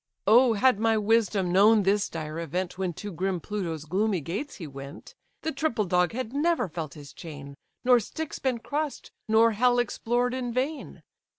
Oh had my wisdom known this dire event, When to grim Pluto's gloomy gates he went; The triple dog had never felt his chain, Nor Styx been cross'd, nor hell explored in vain.